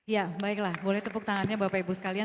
ya baiklah boleh tepuk tangannya bapak ibu sekalian